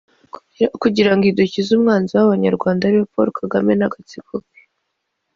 kugirango idukize umwanzi w’abanyarwanda ariwe Paul Kagame n’agatsiko ke